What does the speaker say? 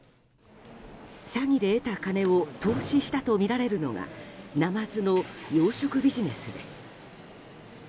詐欺で得た金を投資したとみられるのがナマズの養殖ビジネスです。